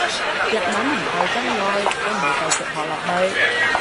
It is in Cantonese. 日文唔夠真愛都冇繼續學落去